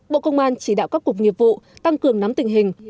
bộ công an chỉ đạo các cục nghiệp vụ tăng cường nắm tình hình